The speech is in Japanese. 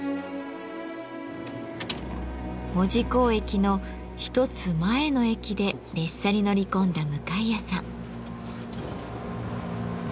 門司港駅の一つ前の駅で列車に乗り込んだ向谷さん。